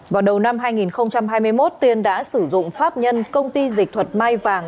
vào đầu năm hai nghìn hai mươi một tiên đã sử dụng pháp nhân công ty dịch thuật mai vàng